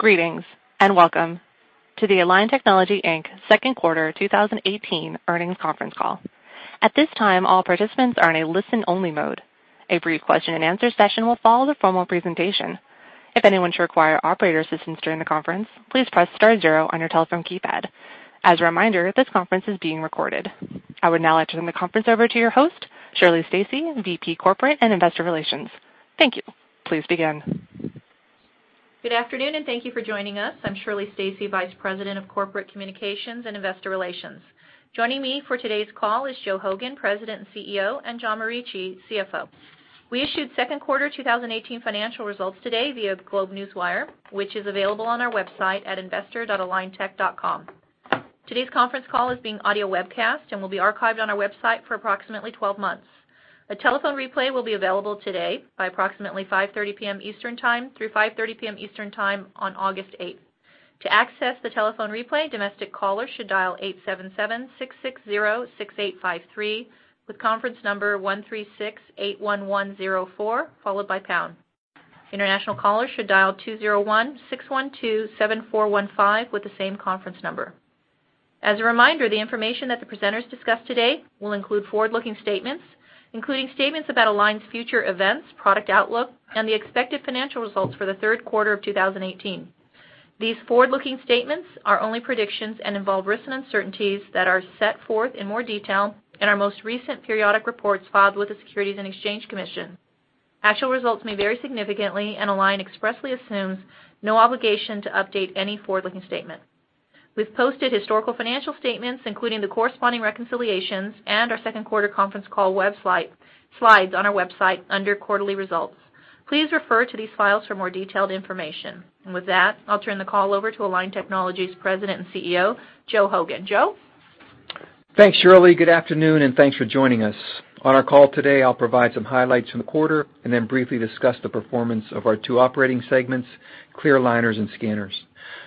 Greetings, and welcome to the Align Technology Inc. second quarter 2018 earnings conference call. At this time, all participants are in a listen-only mode. A brief question-and-answer session will follow the formal presentation. If anyone should require operator assistance during the conference, please press star zero on your telephone keypad. As a reminder, this conference is being recorded. I would now like to turn the conference over to your host, Shirley Stacy, VP Corporate Communications and Investor Relations. Thank you. Please begin. Good afternoon, and thank you for joining us. I'm Shirley Stacy, Vice President of Corporate Communications and Investor Relations. Joining me for today's call is Joe Hogan, President and CEO, and John Morici, CFO. We issued second quarter 2018 financial results today via GlobeNewswire, which is available on our website at investor.aligntech.com. Today's conference call is being audio webcast and will be archived on our website for approximately 12 months. A telephone replay will be available today by approximately 5:30 P.M. Eastern Time through 5:30 P.M. Eastern Time on August 8th. To access the telephone replay, domestic callers should dial 877-660-6853 with conference number 136-81104, followed by pound. International callers should dial 201-612-7415 with the same conference number. As a reminder, the information that the presenters discuss today will include forward-looking statements, including statements about Align's future events, product outlook, and the expected financial results for the third quarter of 2018. These forward-looking statements are only predictions and involve risks and uncertainties that are set forth in more detail in our most recent periodic reports filed with the Securities and Exchange Commission. Actual results may vary significantly, and Align expressly assumes no obligation to update any forward-looking statement. We've posted historical financial statements, including the corresponding reconciliations and our second quarter conference call slides on our website under quarterly results. Please refer to these files for more detailed information. And with that, I'll turn the call over to Align Technology's President and CEO, Joe Hogan. Joe? Thanks, Shirley. Good afternoon, and thanks for joining us. On our call today, I'll provide some highlights from the quarter and then briefly discuss the performance of our two operating segments, clear aligners and scanners.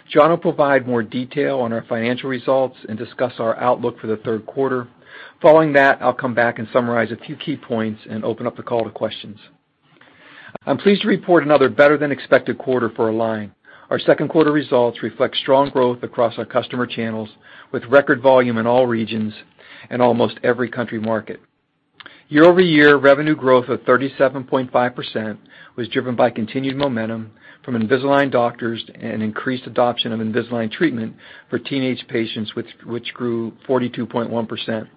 John will provide more detail on our financial results and discuss our outlook for the third quarter. Following that, I'll come back and summarize a few key points and open up the call to questions. I'm pleased to report another better-than-expected quarter for Align. Our second quarter results reflect strong growth across our customer channels, with record volume in all regions and almost every country market. Year-over-year revenue growth of 37.5% was driven by continued momentum from Invisalign doctors and increased adoption of Invisalign treatment for teenage patients, which grew 42.1%.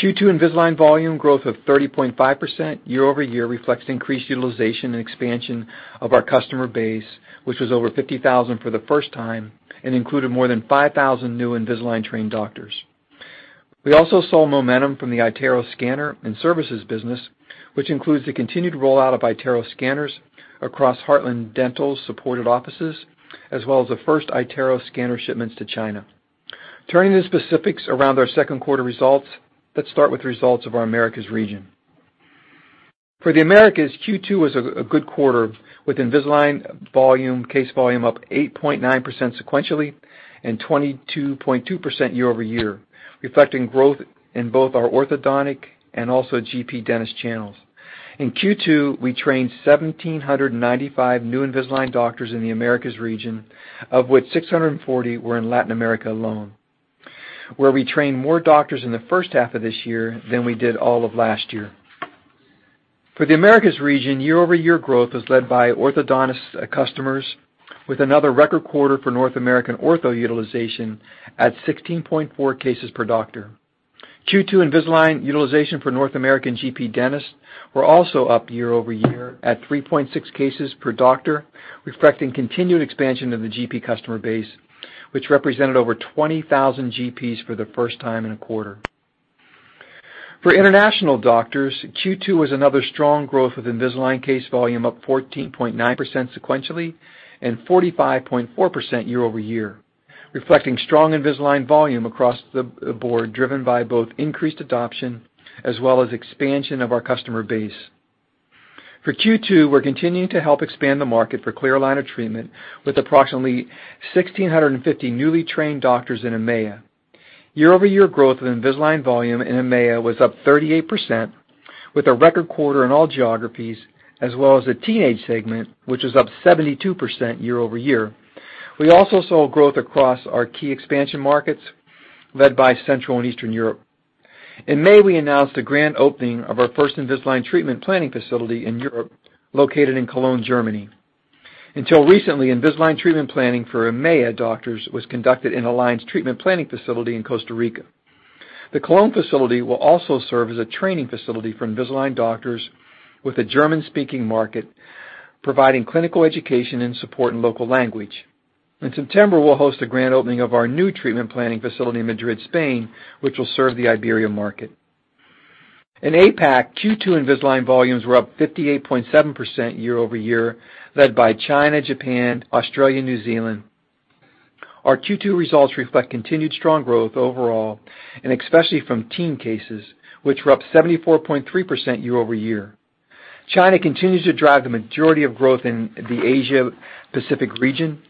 Q2 Invisalign volume growth of 30.5% year-over-year reflects increased utilization and expansion of our customer base, which was over 50,000 for the first time and included more than 5,000 new Invisalign-trained doctors. We also saw momentum from the iTero scanner and services business, which includes the continued rollout of iTero scanners across Heartland Dental-supported offices, as well as the first iTero scanner shipments to China. Turning to the specifics around our second quarter results, let's start with the results of our Americas region. For the Americas, Q2 was a good quarter, with Invisalign case volume up 8.9% sequentially and 22.2% year-over-year, reflecting growth in both our orthodontic and also GP dentist channels. In Q2, we trained 1,795 new Invisalign doctors in the Americas region, of which 640 were in Latin America alone, where we trained more doctors in the first half of this year than we did all of last year. For the Americas region, year-over-year growth was led by orthodontist customers, with another record quarter for North American ortho utilization at 16.4 cases per doctor. Q2 Invisalign utilization for North American GP dentists were also up year-over-year at 3.6 cases per doctor, reflecting continued expansion of the GP customer base, which represented over 20,000 GPs for the first time in a quarter. For international doctors, Q2 was another strong growth with Invisalign case volume up 14.9% sequentially and 45.4% year-over-year, reflecting strong Invisalign volume across the board, driven by both increased adoption as well as expansion of our customer base. For Q2, we're continuing to help expand the market for clear aligner treatment with approximately 1,650 newly trained doctors in EMEA. Year-over-year growth of Invisalign volume in EMEA was up 38%, with a record quarter in all geographies, as well as the teenage segment, which was up 72% year-over-year. We also saw growth across our key expansion markets, led by Central and Eastern Europe. In May, we announced the grand opening of our first Invisalign treatment planning facility in Europe, located in Cologne, Germany. Until recently, Invisalign treatment planning for EMEA doctors was conducted in Align's treatment planning facility in Costa Rica. The Cologne facility will also serve as a training facility for Invisalign doctors with the German-speaking market, providing clinical education and support in local language. In September, we'll host a grand opening of our new treatment planning facility in Madrid, Spain, which will serve the Iberia market. In APAC, Q2 Invisalign volumes were up 58.7% year-over-year, led by China, Japan, Australia, and New Zealand. Our Q2 results reflect continued strong growth overall, and especially from teen cases, which were up 74.3% year-over-year. China continues to drive the majority of growth in the Asia-Pacific region,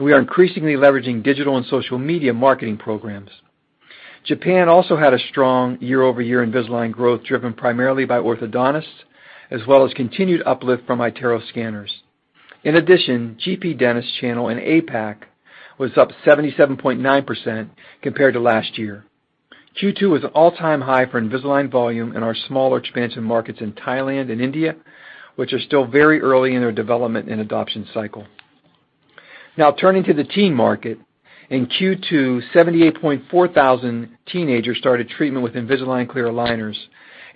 and we are increasingly leveraging digital and social media marketing programs. Japan also had a strong year-over-year Invisalign growth driven primarily by orthodontists, as well as continued uplift from iTero scanners. In addition, GP dentist channel in APAC was up 77.9% compared to last year. Q2 was an all-time high for Invisalign volume in our smaller expansion markets in Thailand and India, which are still very early in their development and adoption cycle. Turning to the teen market. In Q2, 78,400 teenagers started treatment with Invisalign clear aligners,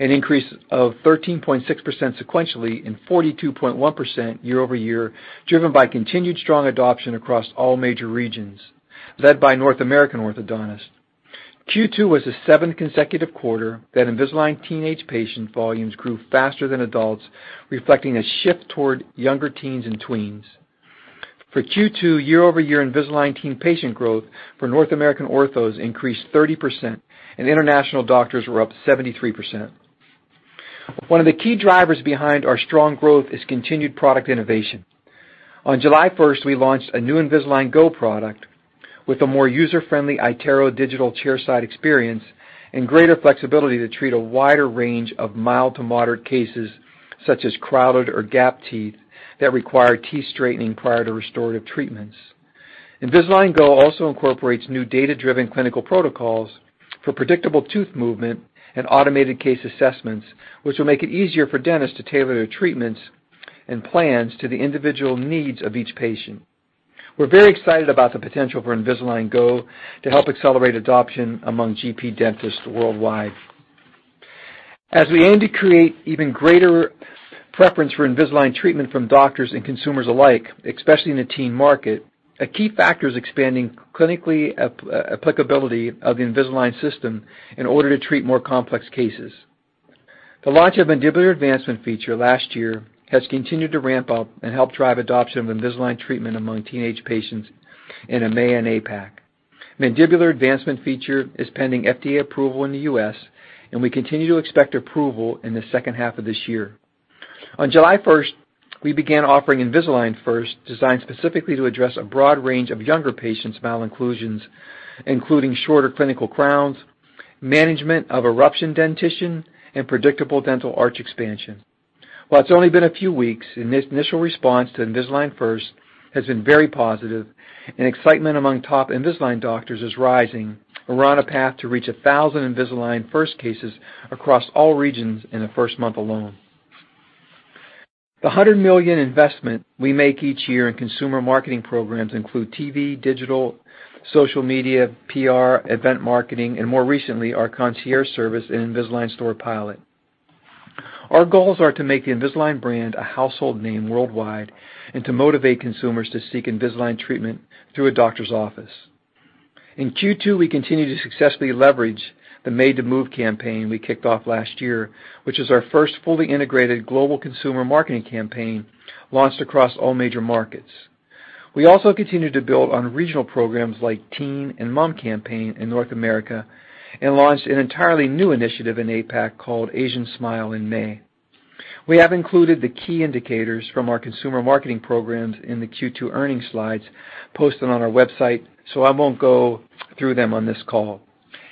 an increase of 13.6% sequentially and 42.1% year-over-year, driven by continued strong adoption across all major regions, led by North American orthodontists. Q2 was the seventh consecutive quarter that Invisalign teenage patient volumes grew faster than adults, reflecting a shift toward younger teens and tweens. For Q2, year-over-year Invisalign teen patient growth for North American orthos increased 30%, and international doctors were up 73%. One of the key drivers behind our strong growth is continued product innovation. On July 1st, we launched a new Invisalign Go product with a more user-friendly iTero digital chairside experience and greater flexibility to treat a wider range of mild to moderate cases, such as crowded or gap teeth, that require teeth straightening prior to restorative treatments. Invisalign Go also incorporates new data-driven clinical protocols for predictable tooth movement and automated case assessments, which will make it easier for dentists to tailor their treatments and plans to the individual needs of each patient. We're very excited about the potential for Invisalign Go to help accelerate adoption among GP dentists worldwide. As we aim to create even greater preference for Invisalign treatment from doctors and consumers alike, especially in the teen market, a key factor is expanding clinically applicability of the Invisalign system in order to treat more complex cases. The launch of Mandibular Advancement feature last year has continued to ramp up and help drive adoption of Invisalign treatment among teenage patients in EMEA and APAC. Mandibular Advancement feature is pending FDA approval in the U.S., and we continue to expect approval in the second half of this year. On July 1st, we began offering Invisalign First, designed specifically to address a broad range of younger patients' malocclusions, including shorter clinical crowns, management of eruption dentition, and predictable dental arch expansion. While it's only been a few weeks, initial response to Invisalign First has been very positive and excitement among top Invisalign doctors is rising. We're on a path to reach 1,000 Invisalign First cases across all regions in the first month alone. The $100 million investment we make each year in consumer marketing programs include TV, digital, social media, PR, event marketing, and more recently, our concierge service and Invisalign store pilot. Our goals are to make the Invisalign brand a household name worldwide and to motivate consumers to seek Invisalign treatment through a doctor's office. In Q2, we continued to successfully leverage the Made to Move campaign we kicked off last year, which is our first fully integrated global consumer marketing campaign launched across all major markets. We also continued to build on regional programs like Teen and Mom campaign in North America and launched an entirely new initiative in APAC called Asian Smile in May. We have included the key indicators from our consumer marketing programs in the Q2 earnings slides posted on our website, so I won't go through them on this call.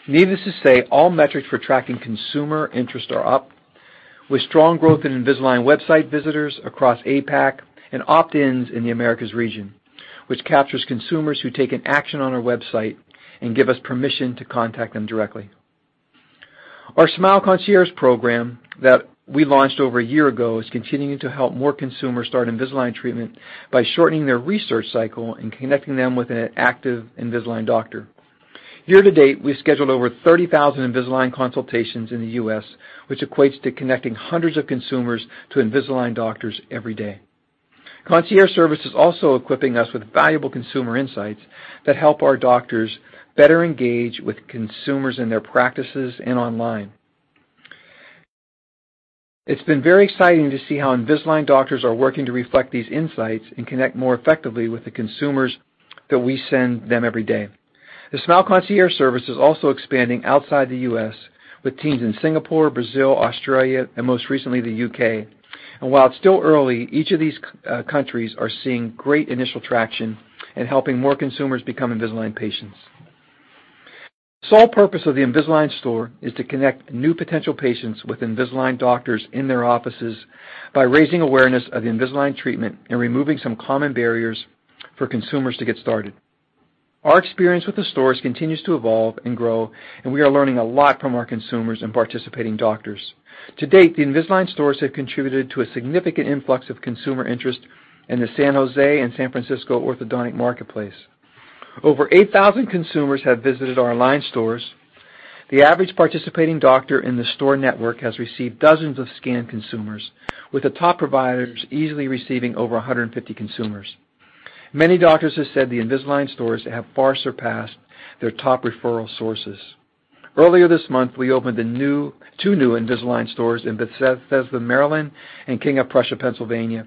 Needless to say, all metrics for tracking consumer interest are up, with strong growth in Invisalign website visitors across APAC and opt-ins in the Americas region, which captures consumers who take an action on our website and give us permission to contact them directly. Our Smile Concierge program that we launched over a year ago is continuing to help more consumers start Invisalign treatment by shortening their research cycle and connecting them with an active Invisalign doctor. Year to date, we scheduled over 30,000 Invisalign consultations in the U.S., which equates to connecting hundreds of consumers to Invisalign doctors every day. Concierge service is also equipping us with valuable consumer insights that help our doctors better engage with consumers in their practices and online. It's been very exciting to see how Invisalign doctors are working to reflect these insights and connect more effectively with the consumers that we send them every day. The Smile Concierge service is also expanding outside the U.S. with teams in Singapore, Brazil, Australia, and most recently, the U.K. While it's still early, each of these countries are seeing great initial traction in helping more consumers become Invisalign patients. The sole purpose of the Invisalign store is to connect new potential patients with Invisalign doctors in their offices by raising awareness of Invisalign treatment and removing some common barriers for consumers to get started. Our experience with the stores continues to evolve and grow, and we are learning a lot from our consumers and participating doctors. To date, the Invisalign stores have contributed to a significant influx of consumer interest in the San Jose and San Francisco orthodontic marketplace. Over 8,000 consumers have visited our Align stores. The average participating doctor in the store network has received dozens of scanned consumers, with the top providers easily receiving over 150 consumers. Many doctors have said the Invisalign stores have far surpassed their top referral sources. Earlier this month, we opened two new Invisalign stores in Bethesda, Maryland and King of Prussia, Pennsylvania.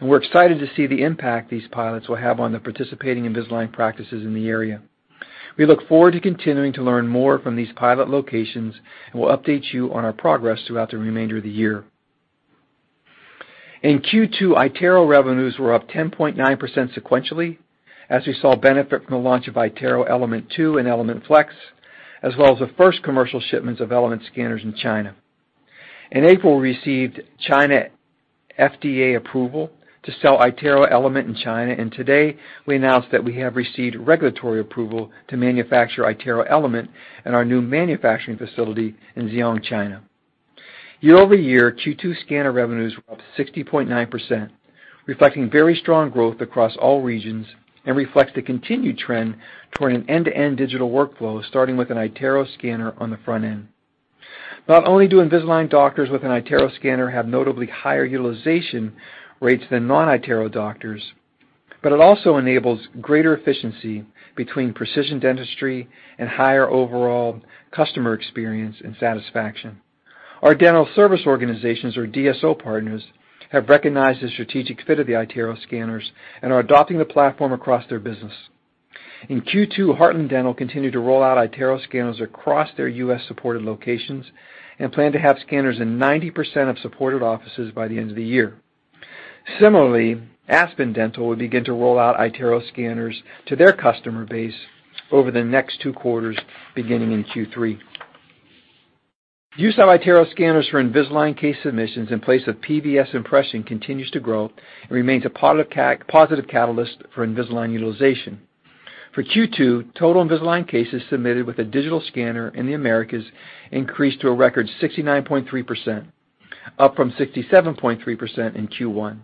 We're excited to see the impact these pilots will have on the participating Invisalign practices in the area. We look forward to continuing to learn more from these pilot locations. We'll update you on our progress throughout the remainder of the year. In Q2, iTero revenues were up 10.9% sequentially, as we saw benefit from the launch of iTero Element 2 and Element Flex, as well as the first commercial shipments of Element scanners in China. In April, we received China FDA approval to sell iTero Element in China, and today we announced that we have received regulatory approval to manufacture iTero Element in our new manufacturing facility in Ziyang, China. Year-over-year, Q2 scanner revenues were up 60.9%, reflecting very strong growth across all regions and reflects the continued trend toward an end-to-end digital workflow, starting with an iTero scanner on the front end. Not only do Invisalign doctors with an iTero scanner have notably higher utilization rates than non-iTero doctors, but it also enables greater efficiency between precision dentistry and higher overall customer experience and satisfaction. Our dental service organizations, or DSO partners, have recognized the strategic fit of the iTero scanners and are adopting the platform across their business. In Q2, Heartland Dental continued to roll out iTero scanners across their U.S.-supported locations and plan to have scanners in 90% of supported offices by the end of the year. Similarly, Aspen Dental will begin to roll out iTero scanners to their customer base over the next two quarters, beginning in Q3. Use of iTero scanners for Invisalign case submissions in place of PVS impression continues to grow and remains a positive catalyst for Invisalign utilization. For Q2, total Invisalign cases submitted with a digital scanner in the Americas increased to a record 69.3%, up from 67.3% in Q1.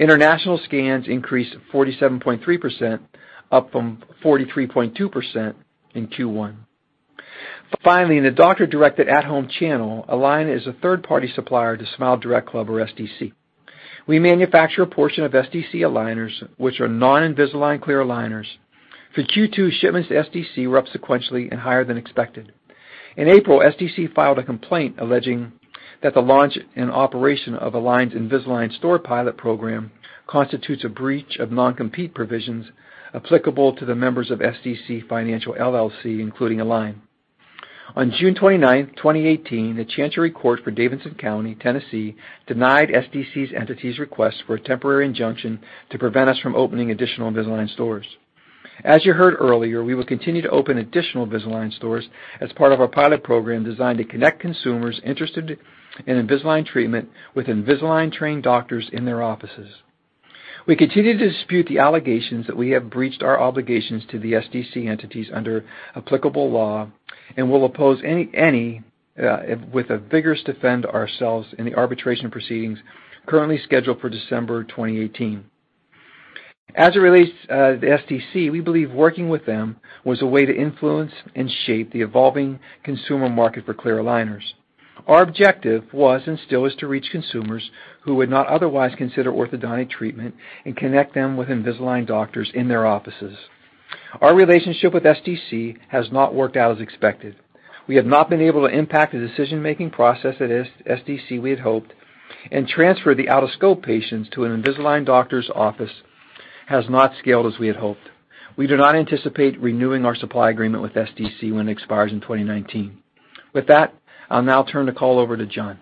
International scans increased 47.3%, up from 43.2% in Q1. Finally, in the doctor-directed at-home channel, Align is a third-party supplier to SmileDirectClub, or SDC. We manufacture a portion of SDC aligners, which are non-Invisalign clear aligners. For Q2, shipments to SDC were up sequentially and higher than expected. In April, SDC filed a complaint alleging that the launch and operation of Align's Invisalign store pilot program constitutes a breach of non-compete provisions applicable to the members of SDC Financial LLC, including Align. On June 29th, 2018, the Chancery Court for Davidson County, Tennessee, denied SDC's entity's request for a temporary injunction to prevent us from opening additional Invisalign stores. As you heard earlier, we will continue to open additional Invisalign stores as part of our pilot program designed to connect consumers interested in Invisalign treatment with Invisalign-trained doctors in their offices. We continue to dispute the allegations that we have breached our obligations to the SDC entities under applicable law and will oppose any with a vigorously defend ourselves in the arbitration proceedings currently scheduled for December 2018. As it relates to the SDC, we believe working with them was a way to influence and shape the evolving consumer market for clear aligners. Our objective was and still is to reach consumers who would not otherwise consider orthodontic treatment and connect them with Invisalign doctors in their offices. Our relationship with SDC has not worked out as expected. We have not been able to impact the decision-making process at SDC we had hoped, and transfer the out-of-scope patients to an Invisalign doctor's office has not scaled as we had hoped. We do not anticipate renewing our supply agreement with SDC when it expires in 2019. With that, I'll now turn the call over to John.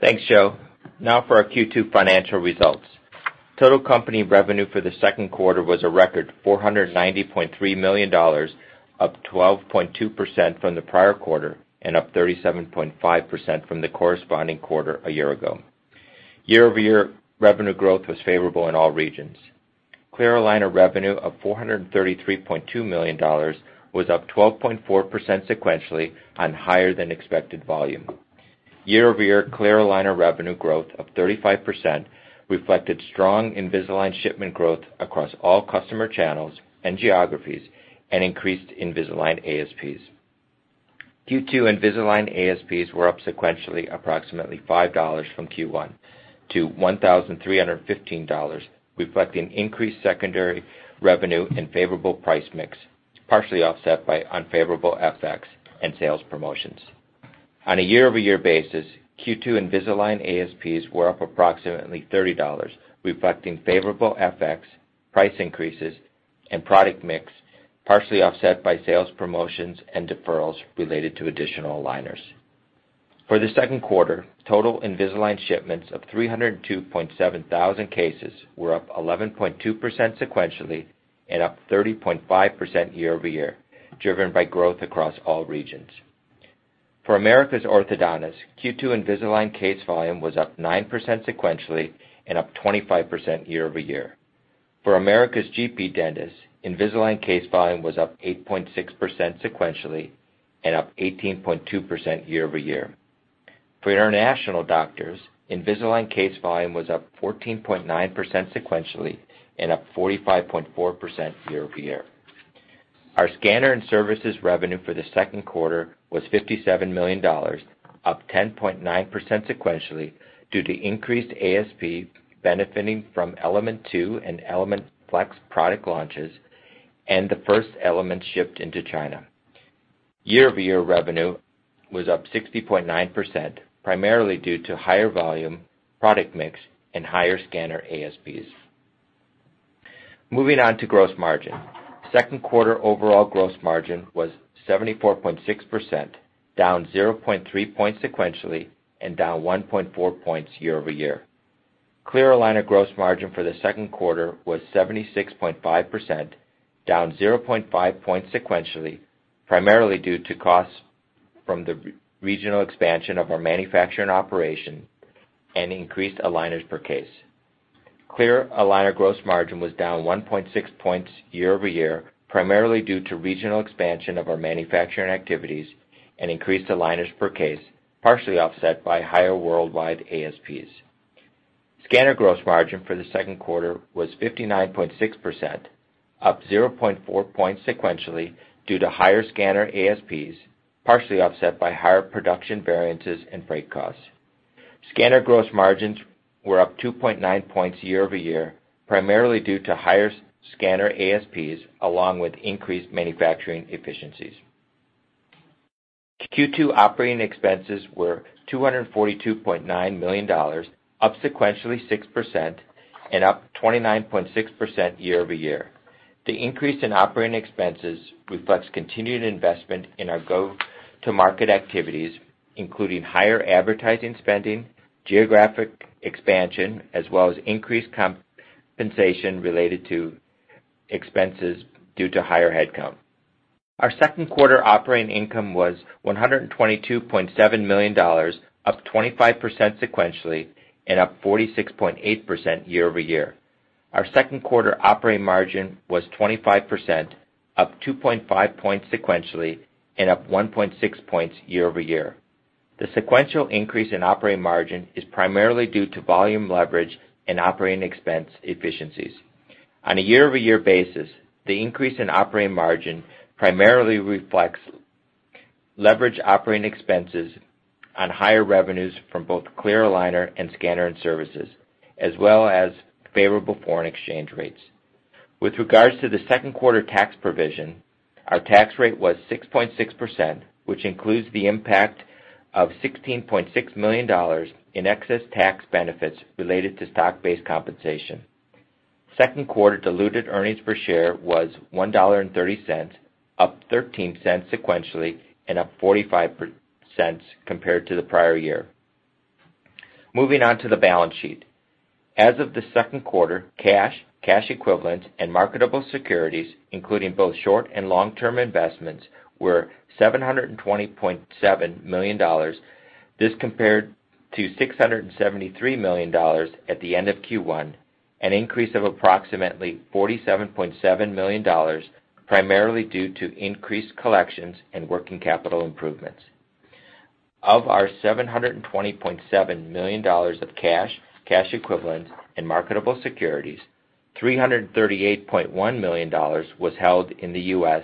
Thanks, Joe. Now for our Q2 financial results. Total company revenue for the second quarter was a record $490.3 million, up 12.2% from the prior quarter and up 37.5% from the corresponding quarter a year ago. Year-over-year revenue growth was favorable in all regions. Clear aligner revenue of $433.2 million was up 12.4% sequentially on higher-than-expected volume. Year-over-year clear aligner revenue growth of 35% reflected strong Invisalign shipment growth across all customer channels and geographies and increased Invisalign ASPs. Q2 Invisalign ASPs were up sequentially approximately $5 from Q1 to $1,315, reflecting increased secondary revenue and favorable price mix, partially offset by unfavorable FX and sales promotions. On a year-over-year basis, Q2 Invisalign ASPs were up approximately $30, reflecting favorable FX, price increases, and product mix, partially offset by sales promotions and deferrals related to additional aligners. For the second quarter, total Invisalign shipments of 302,700 cases were up 11.2% sequentially and up 30.5% year-over-year, driven by growth across all regions. For Americas orthodontists, Q2 Invisalign case volume was up 9% sequentially and up 25% year-over-year. For Americas GP dentists, Invisalign case volume was up 8.6% sequentially and up 18.2% year-over-year. For international doctors, Invisalign case volume was up 14.9% sequentially and up 45.4% year-over-year. Our scanner and services revenue for the second quarter was $57 million, up 10.9% sequentially due to increased ASP benefiting from Element 2 and Element Flex product launches and the first iTero Elements shipped into China. Year-over-year revenue was up 60.9%, primarily due to higher volume, product mix, and higher scanner ASPs. Moving on to gross margin. Second quarter overall gross margin was 74.6%, down 0.3 points sequentially and down 1.4 points year-over-year. Clear aligner gross margin for the second quarter was 76.5%, down 0.5 points sequentially, primarily due to costs from the regional expansion of our manufacturing operation and increased aligners per case. Clear aligner gross margin was down 1.6 points year-over-year, primarily due to regional expansion of our manufacturing activities and increased aligners per case, partially offset by higher worldwide ASPs. Scanner gross margin for the second quarter was 59.6%, up 0.4 points sequentially due to higher scanner ASPs, partially offset by higher production variances and freight costs. Scanner gross margins were up 2.9 points year-over-year, primarily due to higher scanner ASPs along with increased manufacturing efficiencies. Q2 operating expenses were $242.9 million, up sequentially 6% and up 29.6% year-over-year. The increase in operating expenses reflects continued investment in our go-to-market activities, including higher advertising spending, geographic expansion, as well as increased compensation related to expenses due to higher headcount. Our second quarter operating income was $122.7 million, up 25% sequentially and up 46.8% year-over-year. Our second quarter operating margin was 25%, up 2.5 points sequentially and up 1.6 points year-over-year. The sequential increase in operating margin is primarily due to volume leverage and operating expense efficiencies. On a year-over-year basis, the increase in operating margin primarily reflects leverage operating expenses on higher revenues from both clear aligner and scanner and services, as well as favorable foreign exchange rates. With regards to the second quarter tax provision, our tax rate was 6.6%, which includes the impact of $16.6 million in excess tax benefits related to stock-based compensation. Second quarter diluted earnings per share was $1.30, up $0.13 sequentially and up $0.45 compared to the prior year. Moving on to the balance sheet. As of the second quarter, cash equivalents, and marketable securities, including both short and long-term investments, were $720.7 million. This compared to $673 million at the end of Q1, an increase of approximately $47.7 million, primarily due to increased collections and working capital improvements. Of our $720.7 million of cash equivalents, and marketable securities, $338.1 million was held in the U.S.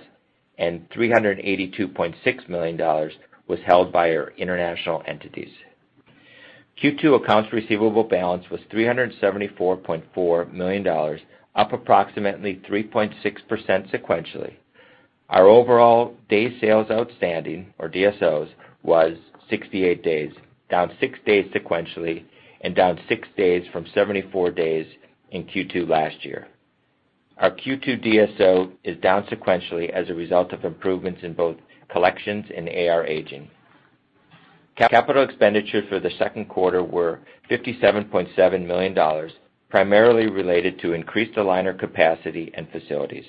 and $382.6 million was held by our international entities. Q2 accounts receivable balance was $374.4 million, up approximately 3.6% sequentially. Our overall day sales outstanding, or DSOs, was 68 days, down six days sequentially and down six days from 74 days in Q2 last year. Our Q2 DSO is down sequentially as a result of improvements in both collections and AR aging. Capital expenditures for the second quarter were $57.7 million, primarily related to increased aligner capacity and facilities.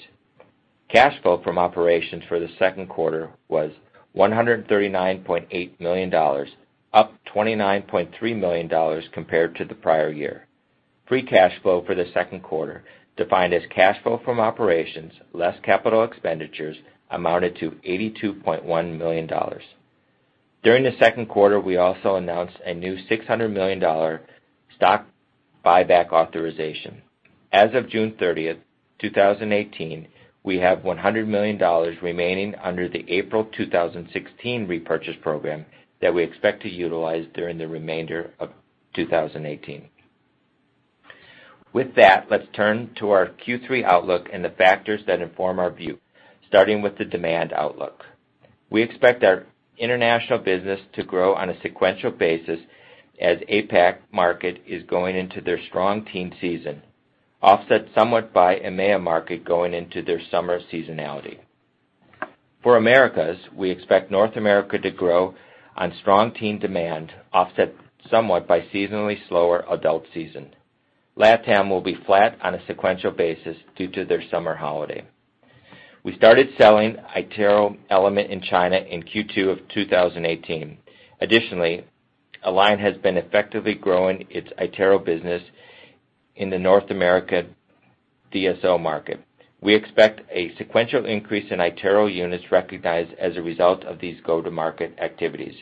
Cash flow from operations for the second quarter was $139.8 million, up $29.3 million compared to the prior year. Free cash flow for the second quarter, defined as cash flow from operations less capital expenditures, amounted to $82.1 million. During the second quarter, we also announced a new $600 million stock buyback authorization. As of June 30, 2018, we have $100 million remaining under the April 2016 repurchase program that we expect to utilize during the remainder of 2018. With that, let's turn to our Q3 outlook and the factors that inform our view, starting with the demand outlook. We expect our international business to grow on a sequential basis as APAC market is going into their strong teen season, offset somewhat by EMEA market going into their summer seasonality. For Americas, we expect North America to grow on strong teen demand, offset somewhat by seasonally slower adult season. LATAM will be flat on a sequential basis due to their summer holiday. We started selling iTero Element in China in Q2 of 2018. Additionally, Align has been effectively growing its iTero business in the North America DSO market. We expect a sequential increase in iTero units recognized as a result of these go-to-market activities.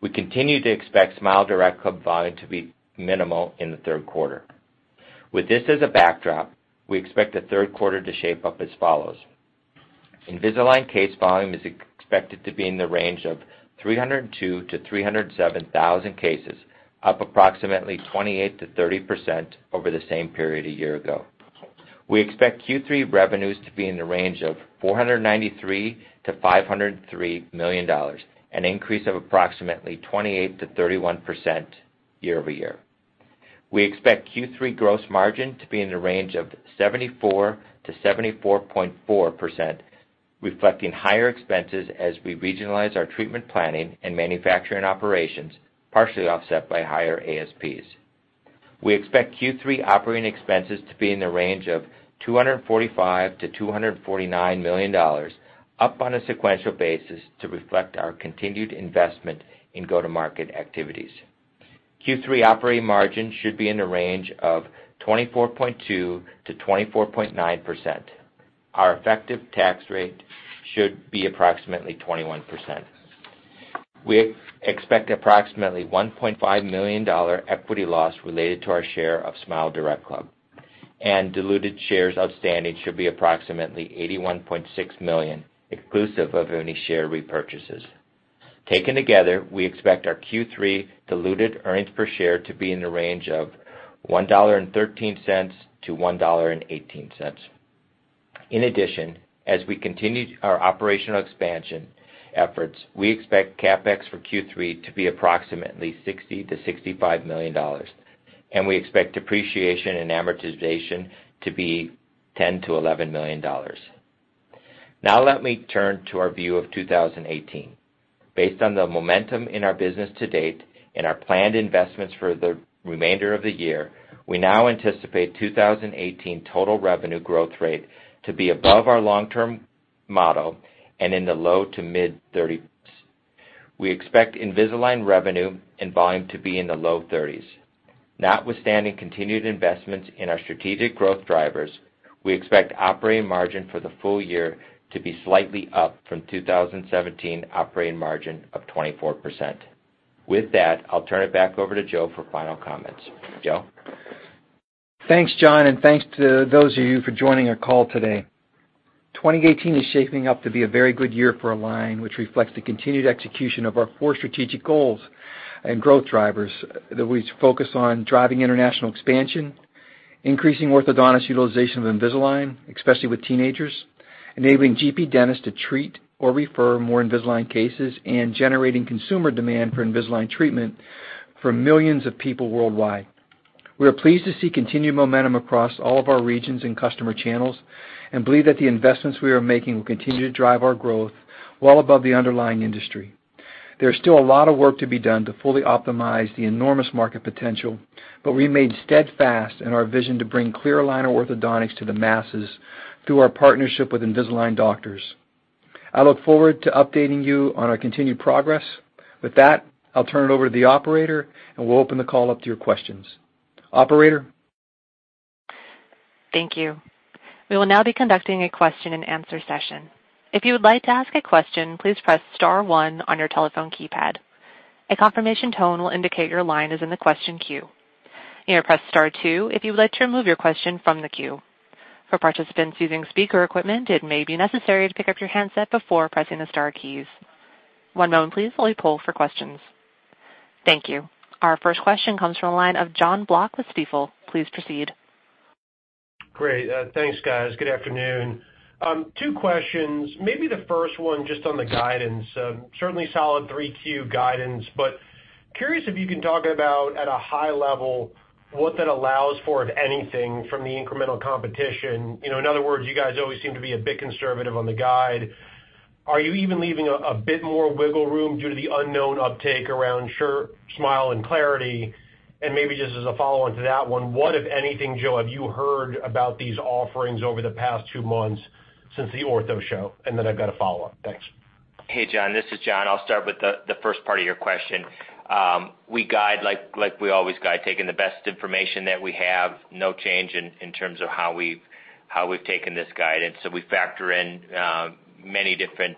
We continue to expect SmileDirectClub volume to be minimal in the third quarter. With this as a backdrop, we expect the third quarter to shape up as follows. Invisalign case volume is expected to be in the range of 302,000 to 307,000 cases, up approximately 28%-30% over the same period a year ago. We expect Q3 revenues to be in the range of $493 million-$503 million, an increase of approximately 28%-31% year-over-year. We expect Q3 gross margin to be in the range of 74%-74.4%, reflecting higher expenses as we regionalize our treatment planning and manufacturing operations, partially offset by higher ASPs. We expect Q3 operating expenses to be in the range of $245 million-$249 million, up on a sequential basis to reflect our continued investment in go-to-market activities. Q3 operating margin should be in the range of 24.2%-24.9%. Our effective tax rate should be approximately 21%. We expect approximately $1.5 million equity loss related to our share of SmileDirectClub, and diluted shares outstanding should be approximately 81.6 million, exclusive of any share repurchases. Taken together, we expect our Q3 diluted earnings per share to be in the range of $1.13-$1.18. In addition, as we continue our operational expansion efforts, we expect CapEx for Q3 to be approximately $60 million-$65 million, and we expect depreciation and amortization to be $10 million-$11 million. Now let me turn to our view of 2018. Based on the momentum in our business to date and our planned investments for the remainder of the year, we now anticipate 2018 total revenue growth rate to be above our long-term model and in the low to mid-30s. We expect Invisalign revenue and volume to be in the low 30s. Notwithstanding continued investments in our strategic growth drivers, we expect operating margin for the full year to be slightly up from 2017 operating margin of 24%. With that, I'll turn it back over to Joe for final comments. Joe? Thanks, John, and thanks to those of you for joining our call today. 2018 is shaping up to be a very good year for Align, which reflects the continued execution of our four strategic goals and growth drivers that we focus on driving international expansion, increasing orthodontist utilization of Invisalign, especially with teenagers, enabling GP dentists to treat or refer more Invisalign cases, and generating consumer demand for Invisalign treatment for millions of people worldwide. We are pleased to see continued momentum across all of our regions and customer channels, and believe that the investments we are making will continue to drive our growth well above the underlying industry. There is still a lot of work to be done to fully optimize the enormous market potential, but remain steadfast in our vision to bring clear aligner orthodontics to the masses through our partnership with Invisalign doctors. I look forward to updating you on our continued progress. With that, I'll turn it over to the operator, and we'll open the call up to your questions. Operator? Thank you. We will now be conducting a question and answer session. If you would like to ask a question, please press star one on your telephone keypad. A confirmation tone will indicate your line is in the question queue. You may press star two if you would like to remove your question from the queue. For participants using speaker equipment, it may be necessary to pick up your handset before pressing the star keys. One moment please while we poll for questions. Thank you. Our first question comes from the line of Jonathan Block with Stifel. Please proceed. Great. Thanks, guys. Good afternoon. Two questions. Maybe the first one just on the guidance. Certainly solid 3Q guidance, but curious if you can talk about, at a high level, what that allows for, if anything, from the incremental competition. In other words, you guys always seem to be a bit conservative on the guide. Are you even leaving a bit more wiggle room due to the unknown uptake around Smile and Clarity? Maybe just as a follow-on to that one, what, if anything, Joe, have you heard about these offerings over the past two months since the Ortho Show? I've got a follow-up. Thanks. Hey, John. This is John. I'll start with the first part of your question. We guide like we always guide, taking the best information that we have. No change in terms of how we've taken this guidance. We factor in many different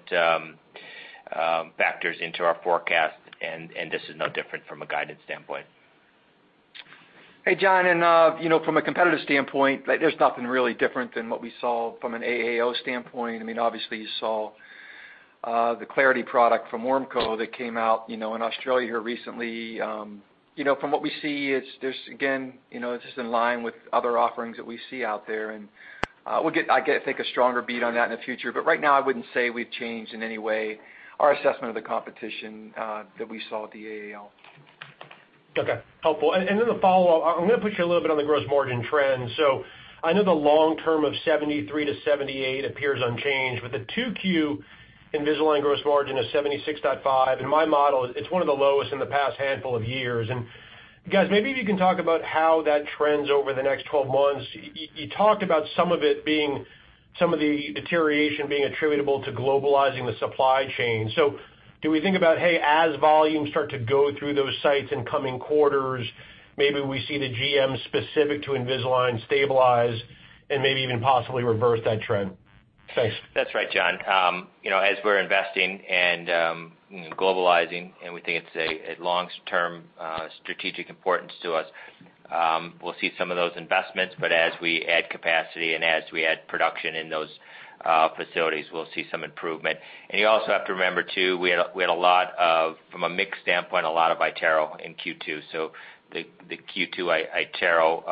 factors into our forecast, this is no different from a guidance standpoint. Hey, John. From a competitive standpoint, there's nothing really different than what we saw from an AAO standpoint. Obviously, you saw the Clarity product from Ormco that came out in Australia here recently. From what we see, it's just in line with other offerings that we see out there, I get, I think, a stronger beat on that in the future. Right now, I wouldn't say we've changed in any way our assessment of the competition that we saw at the AAO. Okay. Helpful. The follow-up, I'm going to put you a little bit on the gross margin trend. I know the long term of 73%-78% appears unchanged with a 2Q Invisalign gross margin of 76.5%. In my model, it's one of the lowest in the past handful of years. Guys, maybe if you can talk about how that trends over the next 12 months. You talked about some of the deterioration being attributable to globalizing the supply chain. Do we think about, hey, as volumes start to go through those sites in coming quarters, maybe we see the GM specific to Invisalign stabilize and maybe even possibly reverse that trend? Thanks. That's right, John. As we're investing and globalizing, we think it's a long-term strategic importance to us, we'll see some of those investments, but as we add capacity and as we add production in those facilities, we'll see some improvement. You also have to remember, too, we had, from a mix standpoint, a lot of iTero in Q2, so the Q2 iTero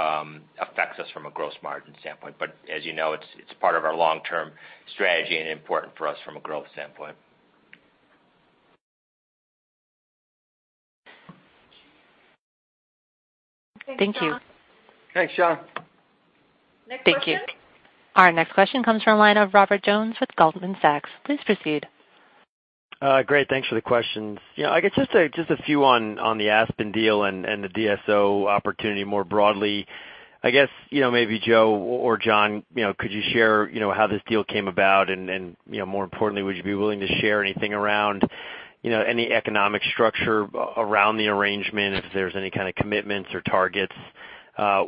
affects us from a gross margin standpoint. As you know, it's part of our long-term strategy and important for us from a growth standpoint. Thank you. Thanks, John. Thank you. Next question. Our next question comes from line of Robert Jones with Goldman Sachs. Please proceed. Great. Thanks for the questions. I guess just a few on the Aspen deal and the DSO opportunity more broadly. I guess, maybe Joe or John, could you share how this deal came about and, more importantly, would you be willing to share anything around any economic structure around the arrangement, if there's any kind of commitments or targets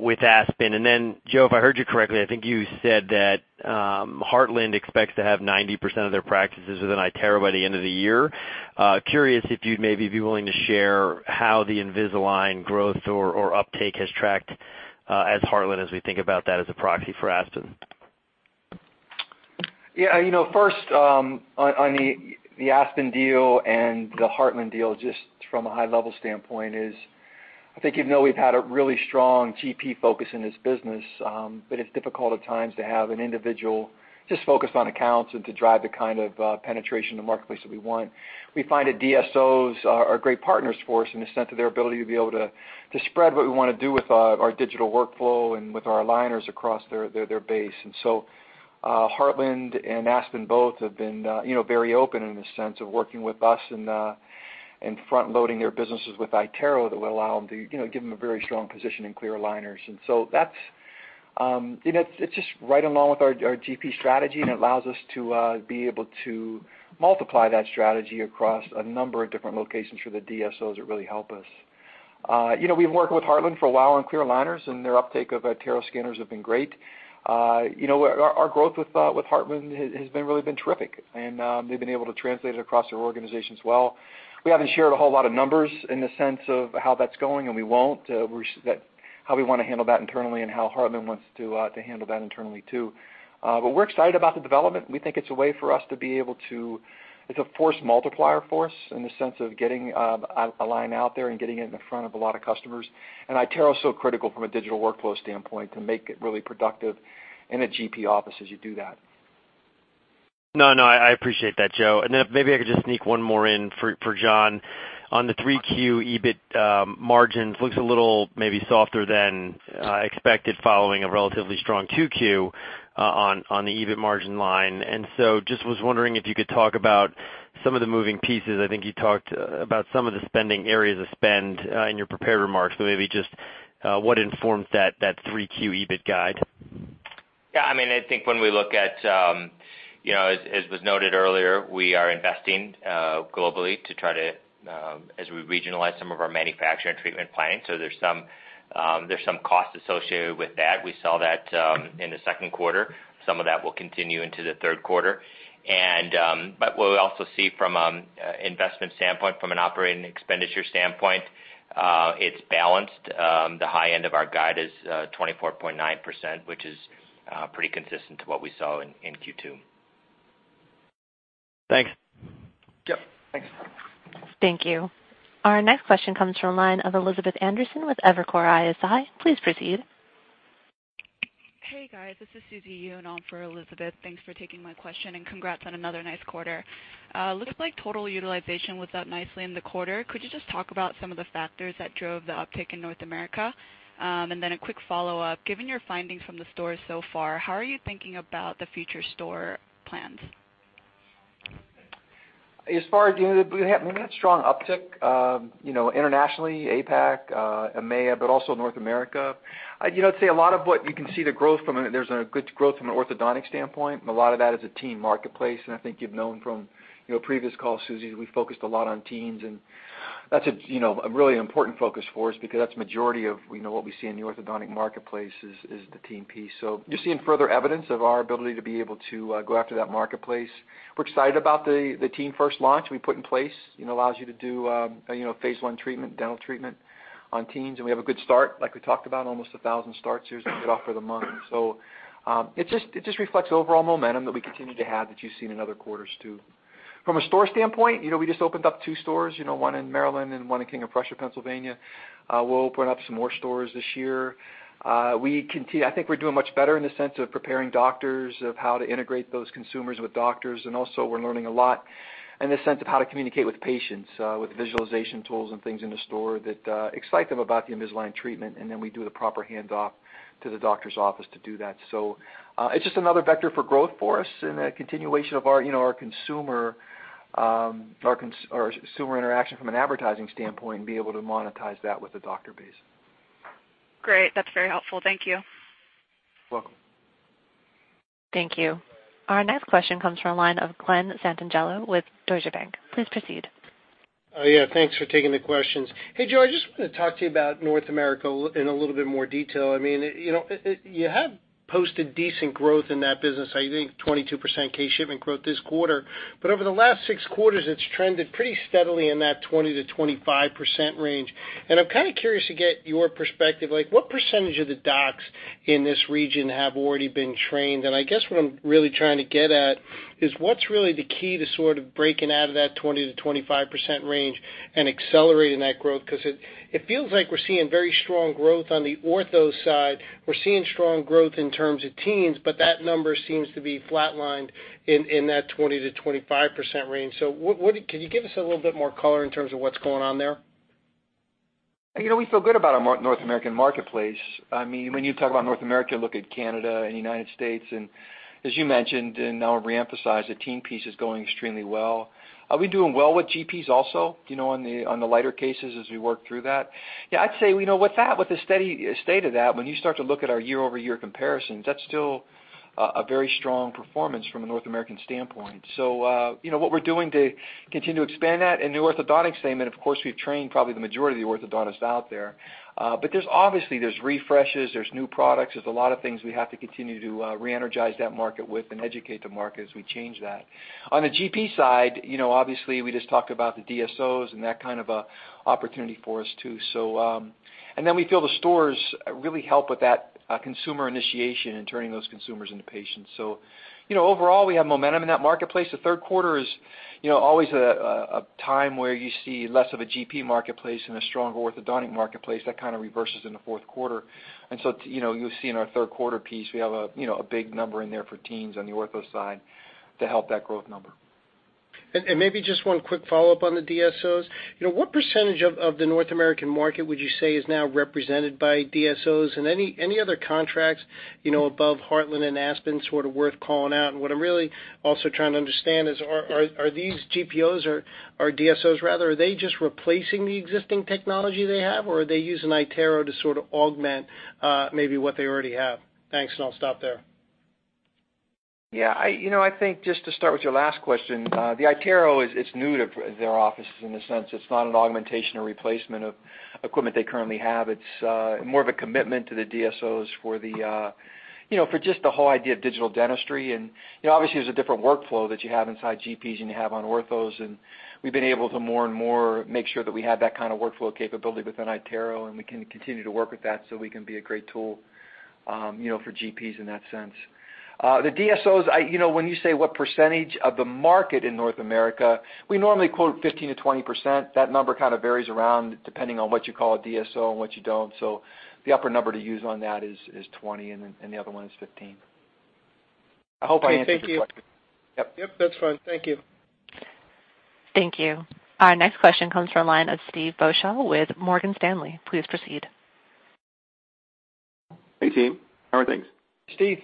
with Aspen? Joe, if I heard you correctly, I think you said that Heartland expects to have 90% of their practices within iTero by the end of the year. Curious if you'd maybe be willing to share how the Invisalign growth or uptake has tracked as Heartland as we think about that as a proxy for Aspen. Yeah. First, on the Aspen deal and the Heartland deal, just from a high level standpoint is, I think you know we've had a really strong GP focus in this business, but it's difficult at times to have an individual just focused on accounts and to drive the kind of penetration in the marketplace that we want. We find that DSOs are great partners for us in the sense of their ability to be able to spread what we want to do with our digital workflow and with our aligners across their base. Heartland and Aspen both have been very open in the sense of working with us and front-loading their businesses with iTero that will allow them to give them a very strong position in clear aligners. It's just right along with our GP strategy, it allows us to be able to multiply that strategy across a number of different locations for the DSOs that really help us. We've worked with Heartland Dental for a while on clear aligners, and their uptake of iTero scanners have been great. Our growth with Heartland Dental has really been terrific, and they've been able to translate it across their organization as well. We haven't shared a whole lot of numbers in the sense of how that's going, and we won't. That how we want to handle that internally and how Heartland Dental wants to handle that internally, too. We're excited about the development. We think it's a way for us to be able to It's a force multiplier for us in the sense of getting Align out there and getting it in front of a lot of customers. iTero is so critical from a digital workflow standpoint to make it really productive in a GP office as you do that. No, I appreciate that, Joe. Maybe I could just sneak one more in for John. On the 3Q EBIT margins, looks a little maybe softer than expected following a relatively strong 2Q on the EBIT margin line. Just was wondering if you could talk about some of the moving pieces. I think you talked about some of the spending areas of spend in your prepared remarks, so maybe just what informs that 3Q EBIT guide? I think when we look at, as was noted earlier, we are investing globally to try to, as we regionalize some of our manufacture and treatment planning. There's some cost associated with that. We saw that in the second quarter. Some of that will continue into the third quarter. What we also see from an investment standpoint, from an operating expenditure standpoint, it's balanced. The high end of our guide is 24.9%, which is pretty consistent to what we saw in Q2. Thanks. Yep. Thanks. Thank you. Our next question comes from a line of Elizabeth Anderson with Evercore ISI. Please proceed. Hey, guys. This is Suzy Yu in for Elizabeth. Thanks for taking my question, and congrats on another nice quarter. Looks like total utilization was up nicely in the quarter. Then a quick follow-up. Could you just talk about some of the factors that drove the uptick in North America? Given your findings from the stores so far, how are you thinking about the future store plans? As far as we had strong uptick internationally, APAC, EMEA, but also North America. I'd say a lot of what you can see the growth from, there's a good growth from an orthodontic standpoint, and a lot of that is a teen marketplace. I think you've known from previous calls, Suzy, we focused a lot on teens. That's a really important focus for us because that's majority of what we see in the orthodontic marketplace is the teen piece. Just seeing further evidence of our ability to be able to go after that marketplace. We're excited about the Invisalign First launch we put in place. It allows you to do a phase 1 dental treatment on teens, and we have a good start, like we talked about, almost 1,000 starts here as we get off for the month. It just reflects the overall momentum that we continue to have that you've seen in other quarters, too. From a store standpoint, we just opened up 2 stores, one in Maryland and one in King of Prussia, Pennsylvania. We'll open up some more stores this year. I think we're doing much better in the sense of preparing doctors of how to integrate those consumers with doctors, and also we're learning a lot in the sense of how to communicate with patients, with visualization tools and things in the store that excite them about the Invisalign treatment, and then we do the proper handoff to the doctor's office to do that. It's just another vector for growth for us and a continuation of our consumer interaction from an advertising standpoint and be able to monetize that with the doctor base. Great. That's very helpful. Thank you. Welcome. Thank you. Our next question comes from a line of Glen Santangelo with Deutsche Bank. Please proceed. Thanks for taking the questions. Joe, I just want to talk to you about North America in a little bit more detail. You have posted decent growth in that business, I think 22% case shipment growth this quarter. But over the last 6 quarters, it's trended pretty steadily in that 20%-25% range, and I'm kind of curious to get your perspective, like what percentage of the docs in this region have already been trained? And I guess what I'm really trying to get at is what's really the key to sort of breaking out of that 20%-25% range and accelerating that growth? Because it feels like we're seeing very strong growth on the ortho side. We're seeing strong growth in terms of teens, but that number seems to be flatlined in that 20%-25% range. Can you give us a little bit more color in terms of what's going on there? We feel good about our North American marketplace. I mean, when you talk about North America, look at Canada and United States, and as you mentioned, I'll re-emphasize, the teen piece is going extremely well. Are we doing well with GPs also on the lighter cases as we work through that? Yeah, I'd say with the steady state of that, when you start to look at our year-over-year comparisons, that's still a very strong performance from a North American standpoint. What we're doing to continue to expand that, in the orthodontics statement, of course, we've trained probably the majority of the orthodontists out there. Obviously, there's refreshes, there's new products, there's a lot of things we have to continue to re-energize that market with and educate the market as we change that. On the GP side, obviously, we just talked about the DSOs and that kind of a opportunity for us, too. We feel the stores really help with that consumer initiation and turning those consumers into patients. Overall, we have momentum in that marketplace. The third quarter is always a time where you see less of a GP marketplace and a stronger orthodontic marketplace. That kind of reverses in the fourth quarter. You'll see in our third quarter piece, we have a big number in there for teens on the ortho side to help that growth number. Maybe just one quick follow-up on the DSOs. What percentage of the North American market would you say is now represented by DSOs? Any other contracts above Heartland and Aspen sort of worth calling out? What I'm really also trying to understand is, are these GPOs or DSOs rather, are they just replacing the existing technology they have, or are they using iTero to sort of augment maybe what they already have? Thanks, and I'll stop there. I think just to start with your last question, the iTero is new to their offices in a sense. It's not an augmentation or replacement of equipment they currently have. It's more of a commitment to the DSOs for just the whole idea of digital dentistry. Obviously, there's a different workflow that you have inside GPs and you have on orthos. We've been able to more and more make sure that we have that kind of workflow capability within iTero, and we can continue to work with that so we can be a great tool for GPs in that sense. The DSOs, when you say what percentage of the market in North America, we normally quote 15%-20%. That number kind of varies around depending on what you call a DSO and what you don't. The upper number to use on that is 20%. The other one is 15%. I hope I answered your question. Okay. Thank you. Yep. Yep, that's fine. Thank you. Thank you. Our next question comes from line of Steve Beuchel with Morgan Stanley. Please proceed. Hey, team. How are things? Steve.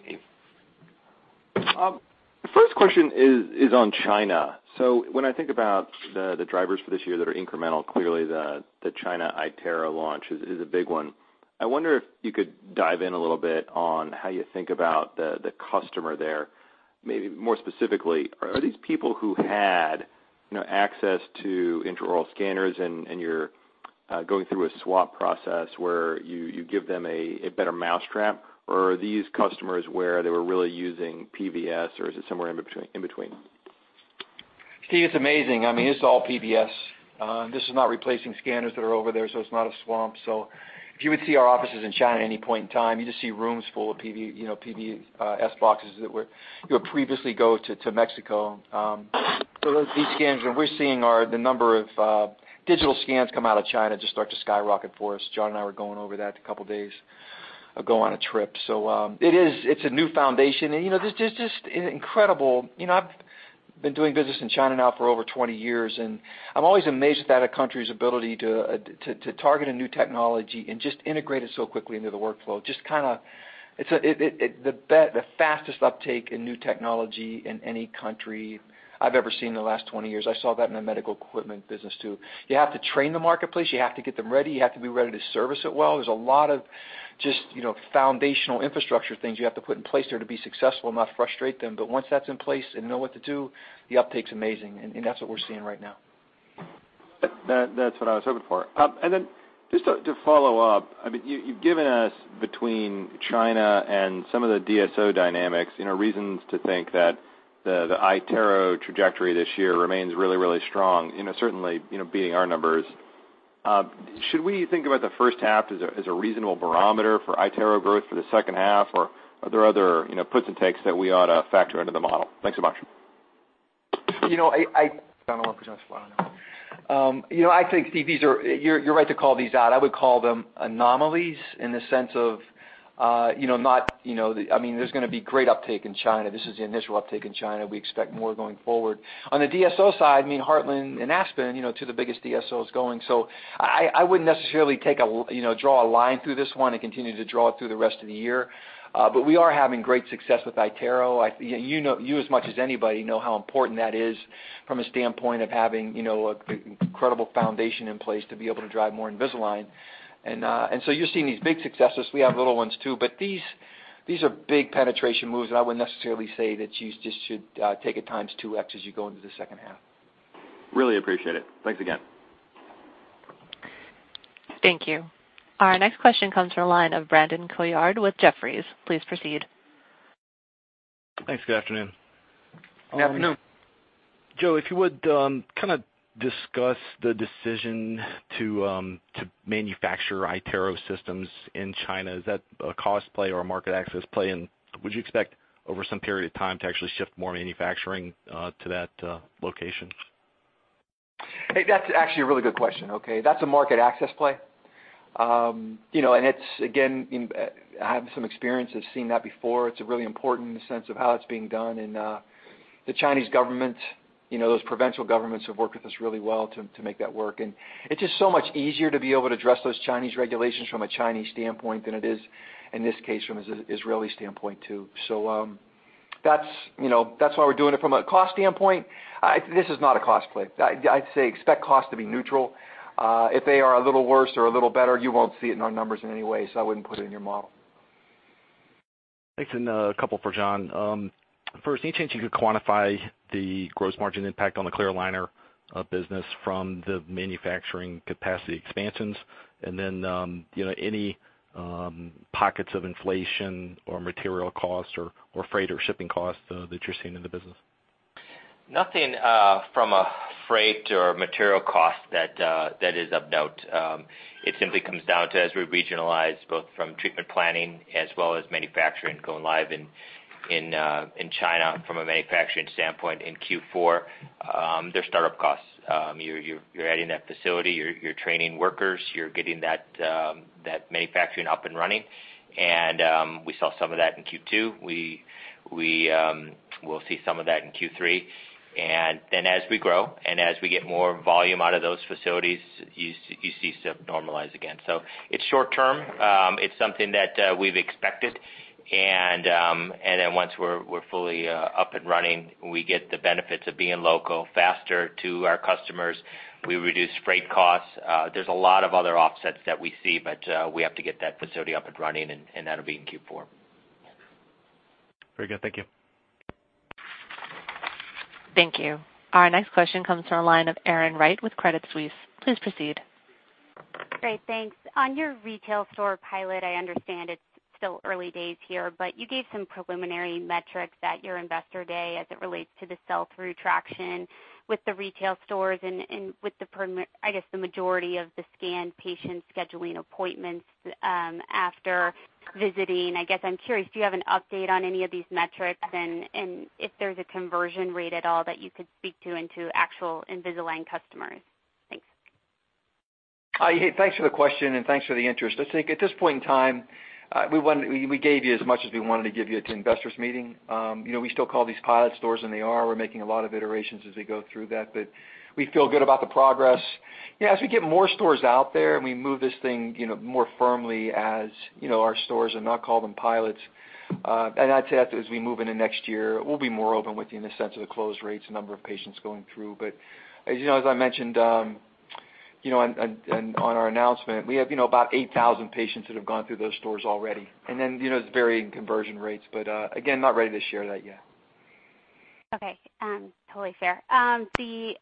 The first question is on China. When I think about the drivers for this year that are incremental, clearly the China iTero launch is a big one. I wonder if you could dive in a little bit on how you think about the customer there. Maybe more specifically, are these people who had access to intraoral scanners and you're going through a swap process where you give them a better mousetrap? Or are these customers where they were really using PVS, or is it somewhere in between? Steve, it's amazing. I mean, this is all PVS. This is not replacing scanners that are over there, so it's not a swap. If you would see our offices in China at any point in time, you just see rooms full of PVS boxes that would previously go to Mexico. [iTero, Invi] scans, what we're seeing are the number of digital scans come out of China just start to skyrocket for us. John and I were going over that a couple of days ago on a trip. It's a new foundation, and this is just incredible. I've been doing business in China now for over 20 years, and I'm always amazed at a country's ability to target a new technology and just integrate it so quickly into the workflow. Just kind of the fastest uptake in new technology in any country I've ever seen in the last 20 years. I saw that in the medical equipment business, too. You have to train the marketplace. You have to get them ready. You have to be ready to service it well. There's a lot of just foundational infrastructure things you have to put in place there to be successful and not frustrate them. Once that's in place and know what to do, the uptake's amazing, and that's what we're seeing right now. That's what I was hoping for. Just to follow up, I mean, you've given us between China and some of the DSO dynamics, reasons to think that the iTero trajectory this year remains really, really strong, certainly beating our numbers. Should we think about the first half as a reasonable barometer for iTero growth for the second half, or are there other puts and takes that we ought to factor into the model? Thanks so much. I don't know if it's just flat or not. I think, Steve, you're right to call these out. I would call them anomalies in the sense of, I mean, there's going to be great uptake in China. This is the initial uptake in China. We expect more going forward. On the DSO side, I mean, Heartland and Aspen, two of the biggest DSOs going. I wouldn't necessarily draw a line through this one and continue to draw it through the rest of the year. We are having great success with iTero. You as much as anybody know how important that is from a standpoint of having an incredible foundation in place to be able to drive more Invisalign. You're seeing these big successes. We have little ones, too. These are big penetration moves, and I wouldn't necessarily say that you just should take it times 2X as you go into the second half. Really appreciate it. Thanks again. Thank you. Our next question comes from the line of Brandon Couillard with Jefferies. Please proceed. Thanks. Good afternoon. Good afternoon. Joe, if you would, kind of discuss the decision to manufacture iTero systems in China. Is that a cost play or a market access play? Would you expect over some period of time to actually shift more manufacturing to that location? Hey, that's actually a really good question. That's a market access play. It's, again, I have some experience of seeing that before. It's really important in the sense of how it's being done, the Chinese government, those provincial governments have worked with us really well to make that work. It's just so much easier to be able to address those Chinese regulations from a Chinese standpoint than it is, in this case, from an Israeli standpoint, too. That's why we're doing it. From a cost standpoint, this is not a cost play. I'd say expect cost to be neutral. If they are a little worse or a little better, you won't see it in our numbers in any way, so I wouldn't put it in your model. Thanks. A couple for John. First, any chance you could quantify the gross margin impact on the clear aligner business from the manufacturing capacity expansions? Any pockets of inflation or material costs or freight or shipping costs that you're seeing in the business? Nothing from a freight or material cost that is of note. It simply comes down to, as we regionalize, both from treatment planning as well as manufacturing going live in China from a manufacturing standpoint in Q4, there's startup costs. You're adding that facility. You're training workers. You're getting that manufacturing up and running. We saw some of that in Q2. We'll see some of that in Q3. As we grow and as we get more volume out of those facilities, you see stuff normalize again. It's short-term. It's something that we've expected. Once we're fully up and running, we get the benefits of being local, faster to our customers. We reduce freight costs. There's a lot of other offsets that we see, but we have to get that facility up and running, that'll be in Q4. Very good. Thank you. Thank you. Our next question comes from the line of Erin Wright with Credit Suisse. Please proceed. Great. Thanks. On your retail store pilot, I understand it's still early days here, but you gave some preliminary metrics at your investor day as it relates to the sell-through traction with the retail stores and with the, I guess, the majority of the scanned patients scheduling appointments after visiting. I guess I'm curious, do you have an update on any of these metrics? If there's a conversion rate at all that you could speak to into actual Invisalign customers. Thanks. Hey, thanks for the question, and thanks for the interest. I think at this point in time, we gave you as much as we wanted to give you at the investors meeting. We still call these pilot stores, and they are. We're making a lot of iterations as we go through that, but we feel good about the progress. As we get more stores out there and we move this thing more firmly as our stores, and not call them pilots, and I'd say that as we move into next year, we'll be more open with you in the sense of the close rates, the number of patients going through. As I mentioned on our announcement, we have about 8,000 patients that have gone through those stores already. Then it's varying conversion rates. Again, not ready to share that yet. Okay. Totally fair. On the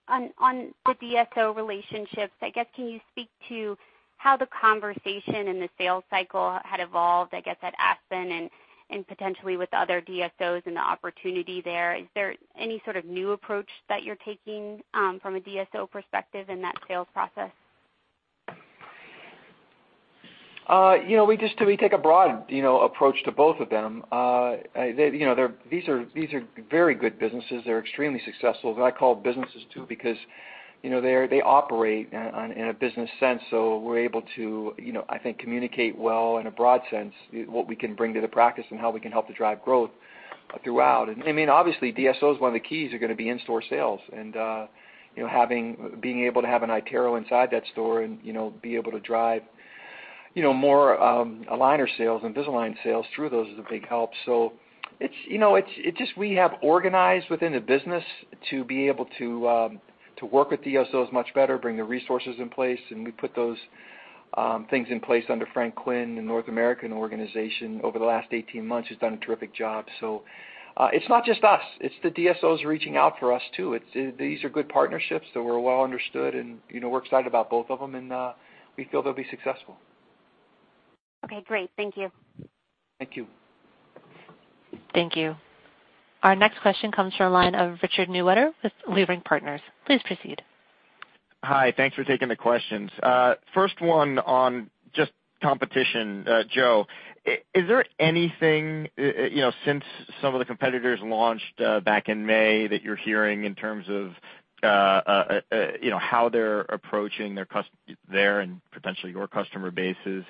DSO relationships, I guess, can you speak to how the conversation and the sales cycle had evolved, I guess, at Aspen and potentially with other DSOs and the opportunity there? Is there any sort of new approach that you're taking from a DSO perspective in that sales process? We take a broad approach to both of them. These are very good businesses. They're extremely successful, and I call businesses too, because they operate in a business sense. We're able to, I think, communicate well in a broad sense what we can bring to the practice and how we can help to drive growth throughout. Obviously, DSOs, one of the keys are going to be in-store sales, and being able to have an iTero inside that store and be able to drive more aligner sales, Invisalign sales through those is a big help. We have organized within the business to be able to work with DSOs much better, bring the resources in place, and we put those things in place under Frank Quinn in the North American organization over the last 18 months. He's done a terrific job. It's not just us. It's the DSOs reaching out for us, too. These are good partnerships that we're well understood, and we're excited about both of them, and we feel they'll be successful. Okay, great. Thank you. Thank you. Thank you. Our next question comes from the line of Richard Newitter with Leerink Partners. Please proceed. Hi. Thanks for taking the questions. First one on just competition. Joe, is there anything, since some of the competitors launched back in May, that you're hearing in terms of how they're approaching their and potentially your customer bases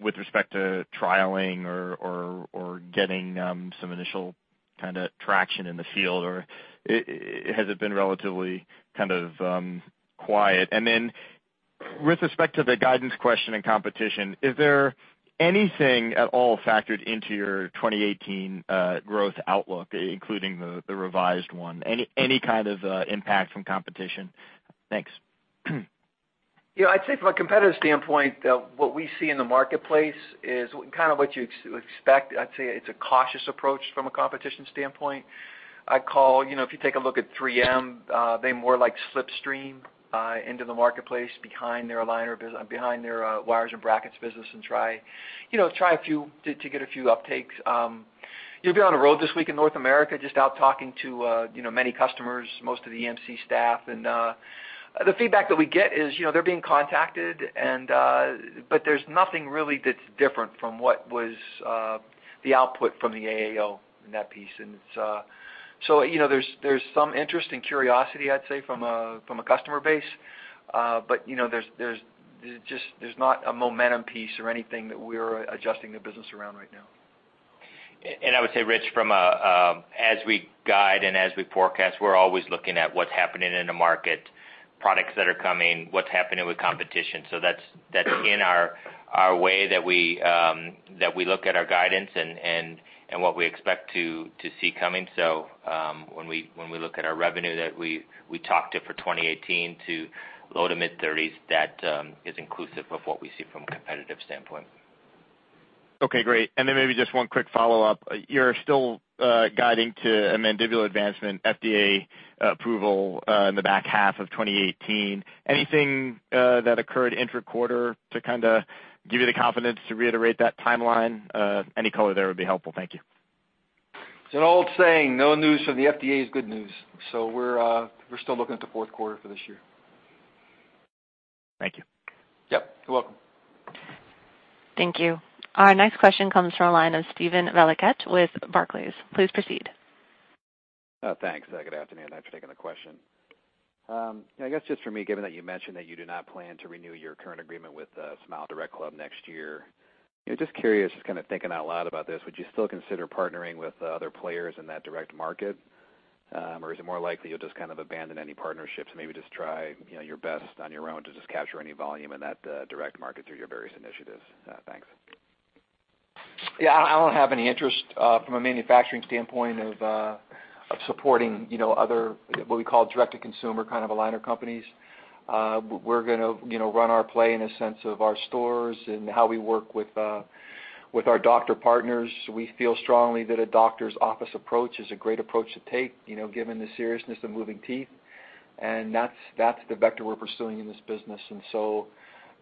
with respect to trialing or getting some initial kind of traction in the field, or has it been relatively kind of quiet? Then with respect to the guidance question and competition, is there anything at all factored into your 2018 growth outlook, including the revised one? Any kind of impact from competition? Thanks. I'd say from a competitive standpoint, what we see in the marketplace is kind of what you expect. I'd say it's a cautious approach from a competition standpoint. If you take a look at 3M, they more like slipstream into the marketplace behind their aligner business, behind their wires and brackets business, and try to get a few uptakes. You'll be on the road this week in North America, just out talking to many customers, most of the EMC staff, and the feedback that we get is they're being contacted, but there's nothing really that's different from what was the output from the AAO in that piece. So there's some interest and curiosity, I'd say, from a customer base. There's not a momentum piece or anything that we're adjusting the business around right now. I would say, Rich, as we guide and as we forecast, we're always looking at what's happening in the market, products that are coming, what's happening with competition. That's in our way that we look at our guidance and what we expect to see coming. When we look at our revenue that we talked to for 2018 to low to mid-30s, that is inclusive of what we see from a competitive standpoint. Okay, great. Maybe just one quick follow-up. You're still guiding to a mandibular advancement FDA approval in the back half of 2018. Anything that occurred intra-quarter to kind of give you the confidence to reiterate that timeline? Any color there would be helpful. Thank you. It's an old saying, "No news from the FDA is good news." We're still looking at the fourth quarter for this year. Thank you. Yep. You're welcome. Thank you. Our next question comes from the line of Steven Valiquette with Barclays. Please proceed. Thanks. Good afternoon. Thanks for taking the question. I guess just for me, given that you mentioned that you do not plan to renew your current agreement with SmileDirectClub next year, just curious, just kind of thinking out loud about this, would you still consider partnering with other players in that direct market? Or is it more likely you'll just kind of abandon any partnerships, maybe just try your best on your own to just capture any volume in that direct market through your various initiatives? Thanks. Yeah, I don't have any interest from a manufacturing standpoint of supporting other, what we call direct-to-consumer kind of aligner companies. We're going to run our play in a sense of our stores and how we work with our doctor partners. We feel strongly that a doctor's office approach is a great approach to take, given the seriousness of moving teeth, and that's the vector we're pursuing in this business.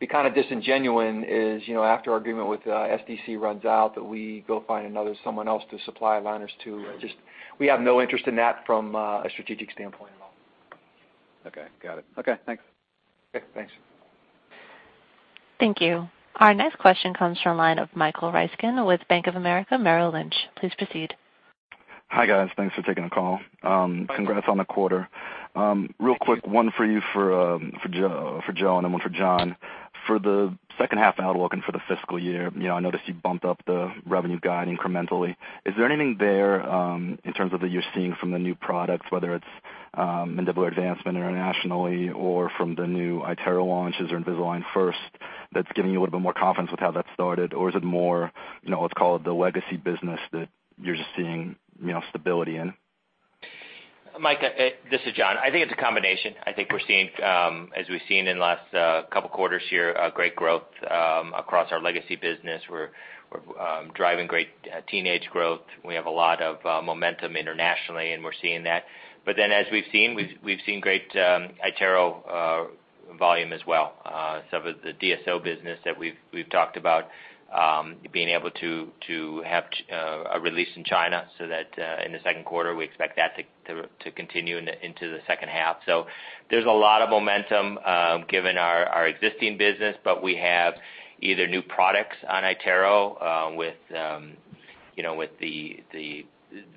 Be kind of disingenuous is, after our agreement with SDC runs out, that we go find someone else to supply aligners to. We have no interest in that from a strategic standpoint at all. Okay, got it. Okay, thanks. Okay, thanks. Thank you. Our next question comes from line of Michael Ryskin with Bank of America Merrill Lynch. Please proceed. Hi, guys. Thanks for taking the call. Congrats on the quarter. Real quick, one for you for Joe and then one for John. For the second half outlook and for the fiscal year, I noticed you bumped up the revenue guide incrementally. Is there anything there in terms of what you're seeing from the new products, whether it's mandibular advancement internationally or from the new iTero launches or Invisalign First, that's giving you a little bit more confidence with how that started? Or is it more, let's call it the legacy business that you're just seeing stability in? Mike, this is John. I think it's a combination. I think we're seeing, as we've seen in the last couple of quarters here, a great growth across our legacy business. We're driving great teenage growth. We have a lot of momentum internationally, and we're seeing that. As we've seen, we've seen great iTero volume as well. Some of the DSO business that we've talked about, being able to have a release in China so that in the second quarter, we expect that to continue into the second half. There's a lot of momentum given our existing business, but we have either new products on iTero with the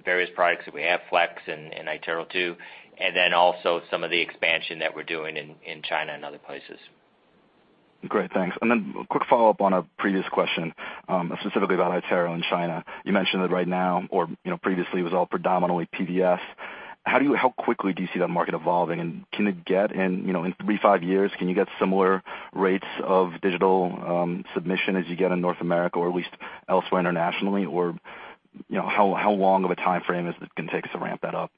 various products that we have, Flex and iTero 2, and then also some of the expansion that we're doing in China and other places. Great, thanks. A quick follow-up on a previous question, specifically about iTero in China. You mentioned that right now, or previously, it was all predominantly PVS. How quickly do you see that market evolving? In three to five years, can you get similar rates of digital submission as you get in North America or at least elsewhere internationally? How long of a timeframe is it going to take us to ramp that up?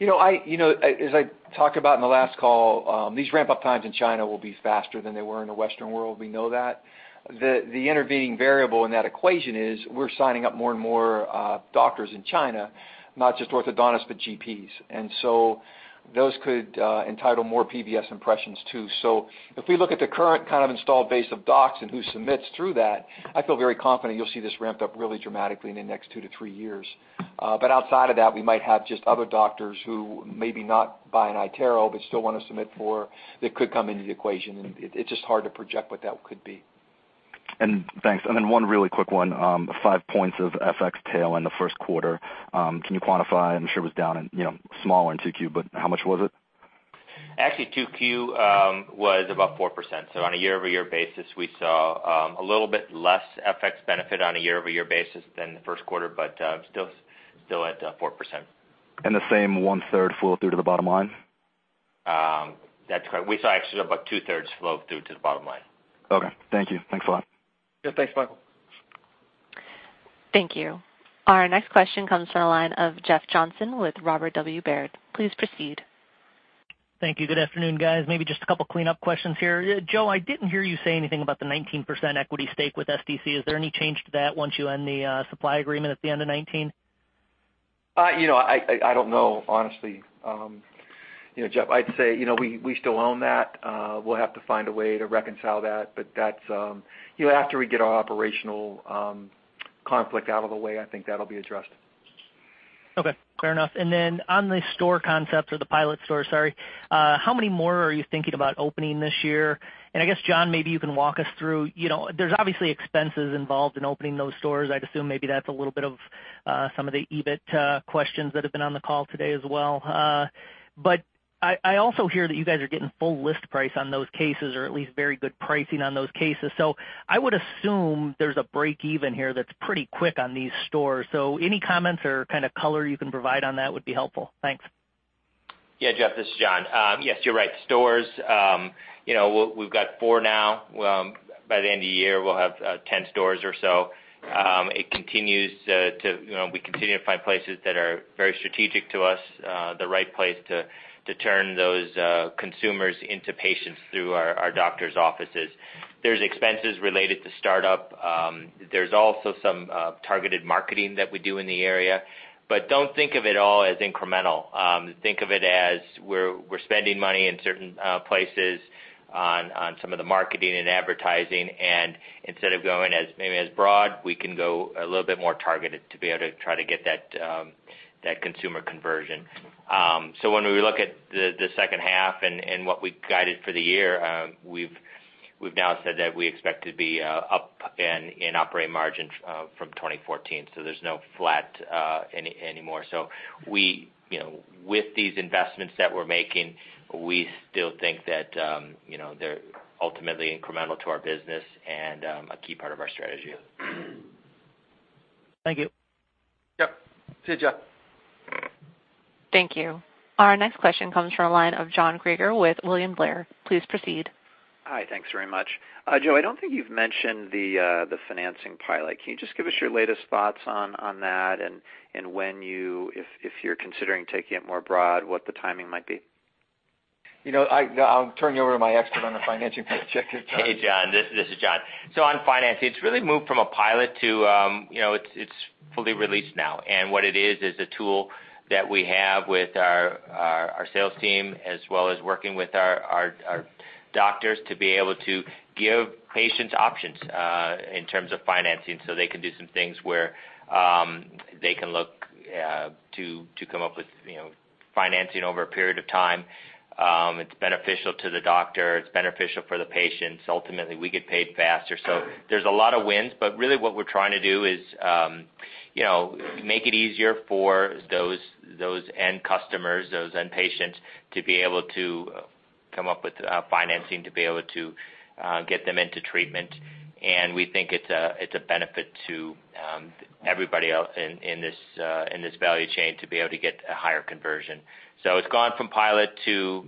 As I talked about in the last call, these ramp-up times in China will be faster than they were in the Western world, we know that. The intervening variable in that equation is we're signing up more and more doctors in China, not just orthodontists, but GPs. Those could entitle more PVS impressions too. If we look at the current kind of installed base of docs and who submits through that, I feel very confident you'll see this ramped up really dramatically in the next two to three years. Outside of that, we might have just other doctors who may be not buying iTero but still want to submit for, that could come into the equation. It's just hard to project what that could be. Thanks. One really quick one. 5 points of FX tail in the first quarter. Can you quantify? I'm sure it was smaller in 2Q, but how much was it? Actually, 2Q was about 4%. On a year-over-year basis, we saw a little bit less FX benefit on a year-over-year basis than the first quarter, but still at 4%. The same one-third flow through to the bottom line? That's correct. We saw actually about two-thirds flow through to the bottom line. Okay. Thank you. Thanks a lot. Yeah, thanks, Michael. Thank you. Our next question comes from the line of Jeff Johnson with Robert W. Baird. Please proceed. Thank you. Good afternoon, guys. Maybe just a couple clean-up questions here. Joe, I didn't hear you say anything about the 19% equity stake with SDC. Is there any change to that once you end the supply agreement at the end of 2019? I don't know, honestly, Jeff. I'd say we still own that. We'll have to find a way to reconcile that. After we get our operational conflict out of the way, I think that'll be addressed. Okay, fair enough. On the store concept or the pilot store, sorry, how many more are you thinking about opening this year? I guess, John, maybe you can walk us through. There's obviously expenses involved in opening those stores. I'd assume maybe that's a little bit of some of the EBIT questions that have been on the call today as well. I also hear that you guys are getting full list price on those cases, or at least very good pricing on those cases. I would assume there's a break even here that's pretty quick on these stores. Any comments or kind of color you can provide on that would be helpful. Thanks. Yeah. Jeff, this is John. Yes, you're right. Stores, we've got four now. By the end of the year, we'll have 10 stores or so. We continue to find places that are very strategic to us, the right place to turn those consumers into patients through our doctors' offices. There's expenses related to startup. There's also some targeted marketing that we do in the area. Don't think of it all as incremental. Think of it as we're spending money in certain places on some of the marketing and advertising, and instead of going as maybe as broad, we can go a little bit more targeted to be able to try to get that consumer conversion. When we look at the second half and what we guided for the year, we've now said that we expect to be up in operating margin from 2018. There's no flat anymore. With these investments that we're making, we still think that they're ultimately incremental to our business and a key part of our strategy. Thank you. Yep. See you, Jeff. Thank you. Our next question comes from the line of John Krieger with William Blair. Please proceed. Hi. Thanks very much. Joe, I don't think you've mentioned the financing pilot. Can you just give us your latest thoughts on that and when you, if you're considering taking it more broad, what the timing might be? I'll turn you over to my expert on the financing project, John. Hey, John. This is John. On financing, it's really moved from a pilot to it's fully released now. What it is a tool that we have with our sales team as well as working with our doctors to be able to give patients options in terms of financing so they can do some things where they can look to come up with financing over a period of time. It's beneficial to the doctor. It's beneficial for the patients. Ultimately, we get paid faster. There's a lot of wins, but really what we're trying to do is make it easier for those end customers, those end patients, to be able to come up with financing to be able to get them into treatment. We think it's a benefit to everybody else in this value chain to be able to get a higher conversion. It's gone from pilot to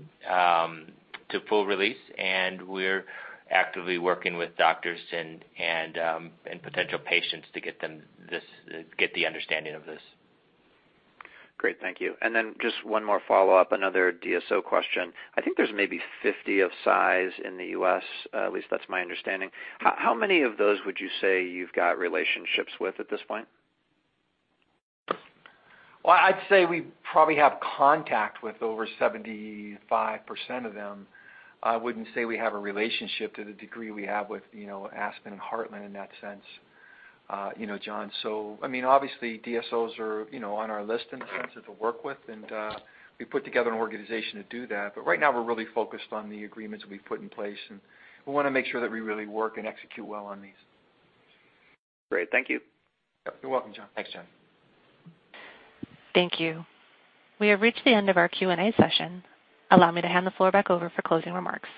full release, and we're actively working with doctors and potential patients to get the understanding of this. Great. Thank you. Just one more follow-up, another DSO question. I think there's maybe 50 of size in the U.S., at least that's my understanding. How many of those would you say you've got relationships with at this point? Well, I'd say we probably have contact with over 75% of them. I wouldn't say we have a relationship to the degree we have with Aspen and Heartland in that sense, John. Obviously DSOs are on our list in the sense of to work with, and we put together an organization to do that. Right now, we're really focused on the agreements that we've put in place, and we want to make sure that we really work and execute well on these. Great. Thank you. Yep. You're welcome, John. Thanks, John. Thank you. We have reached the end of our Q&A session. Allow me to hand the floor back over for closing remarks.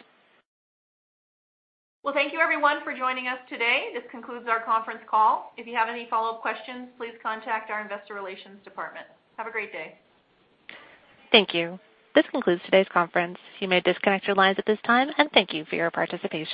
Well, thank you everyone for joining us today. This concludes our conference call. If you have any follow-up questions, please contact our investor relations department. Have a great day. Thank you. This concludes today's conference. You may disconnect your lines at this time, and thank you for your participation.